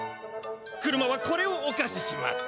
車はこれをおかしします。